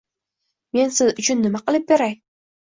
Men siz uchun nima qilib beray?